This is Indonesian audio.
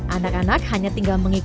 anak anak hanya tinggal membuat pizza